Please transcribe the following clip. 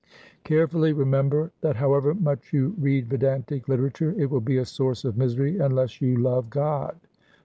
LIFE OF GURU HAR RAI 283 ' Carefully remember that, however much you read Vedantic literature, it will be a source of misery unless you love God.